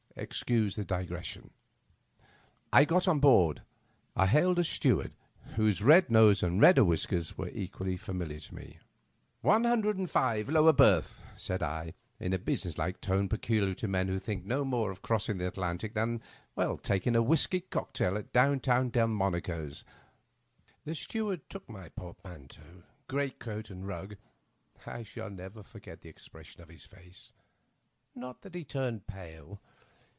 Excuse the digression. I got on board. I hailed a steward, whose red nose and redder whiskers were equally familiar to me. " One hundred and five, lower berth," said I, in the business like tone peculiar to men who think no more of crossing the Atlantic than taking a whisky cocktail at down town Delmonico's. The steward took my portmanteau, great coat, and rug. I shall never forget the expression of his face. Not that he turned pale.